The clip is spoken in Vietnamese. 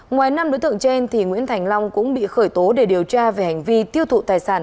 ngoài năm đối tượng trên nguyễn thành long cũng bị khởi tố để điều tra về hành vi tiêu thụ tài sản